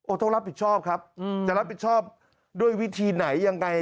ต้องรับผิดชอบครับจะรับผิดชอบด้วยวิธีไหนยังไง